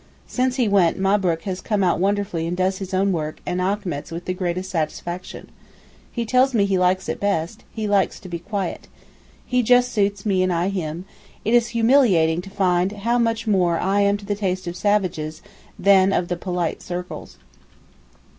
Since he went Mabrook has come out wonderfully and does his own work and Achmet's with the greatest satisfaction. He tells me he likes it best so; he likes to be quiet. He just suits me and I him, it is humiliating to find how much more I am to the taste of savages than of the 'polite circles.